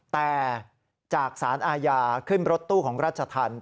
แต่จากสารอาญาขึ้นรถตู้ของราชธรรม